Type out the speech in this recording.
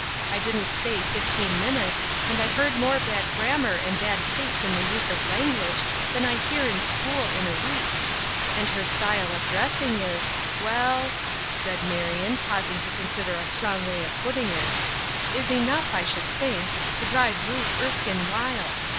" I didn't stay fifteen minutes, and I heard more bad grammar and bad taste in the use of language than I hear in school in a week. And her style of dressing is — well," said Marion, pausing to consider a strong way of putting it — "is enough, I should think, to drive Ruth Erskine wild.